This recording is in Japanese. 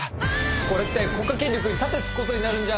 「これって国家権力に盾突くことになるんじゃ」